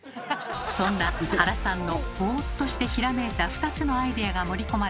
そんな原さんのボーっとしてひらめいた２つのアイデアが盛り込まれた